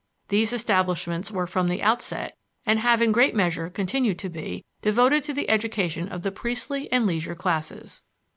These establishments were from the outset, and have in great measure continued to be, devoted to the education of the priestly and leisure classes.